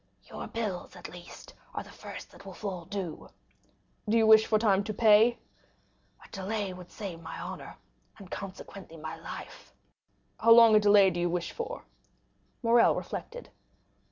"Your bills, at least, are the first that will fall due." "Do you wish for time to pay?" "A delay would save my honor, and consequently my life." "How long a delay do you wish for?" Morrel reflected.